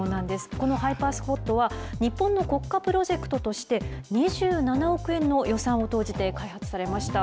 このハイパー・スコットは、日本の国家プロジェクトとして、２７億円の予算を投じて開発されました。